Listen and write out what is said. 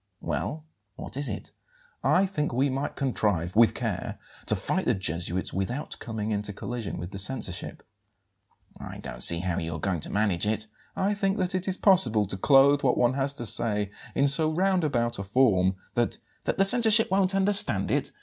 "Well, what is it?" "I think we might contrive, with care, to fight the Jesuits without coming into collision with the censorship." "I don't see how you are going to manage it." "I think that it is possible to clothe what one has to say in so roundabout a form that " "That the censorship won't understand it?